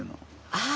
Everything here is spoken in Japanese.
ああ。